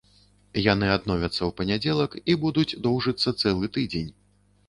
Яны адновяцца ў панядзелак і будуць доўжыцца цэлы тыдзень.